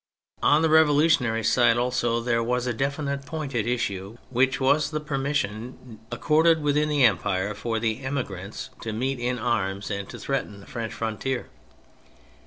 On the revolutionary side also there was a definite point at issue, which was the permis sion accorded within the empire for the emigrants to meet in arms and to threaten the French frontier.